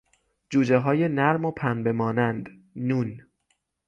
جوجههای نرم و پنبه مانند ن